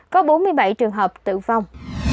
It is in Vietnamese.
có bốn mươi bảy trường hợp tử vong